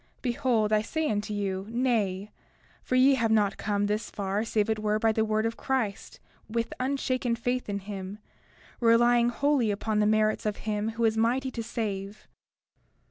Behold, I say unto you, Nay; for ye have not come thus far save it were by the word of Christ with unshaken faith in him, relying wholly upon the merits of him who is mighty to save.